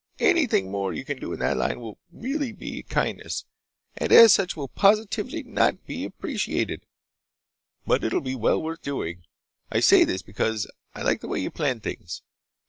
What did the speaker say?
Anything more you can do in that line will be really a kindness, and as such will positively not be appreciated, but it'll be well worth doing.... I say this because I like the way you plan things.